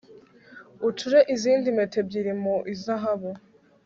Ucure izindi mpeta ebyiri mu izahabu